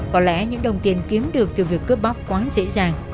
có lẽ những đồng tiền kiếm được từ việc cướp bóc quá dễ dàng